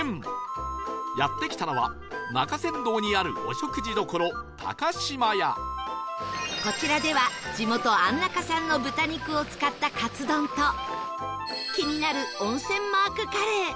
やって来たのは中山道にあるこちらでは地元安中産の豚肉を使ったカツ丼と気になる温泉マークカレー